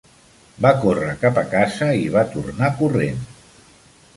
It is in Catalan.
Va córrer cap a casa i va tornar corrent.